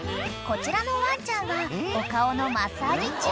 ［こちらのワンちゃんはお顔のマッサージ中］